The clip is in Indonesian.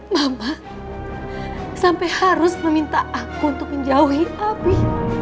mama sampai harus meminta aku untuk menjauhi api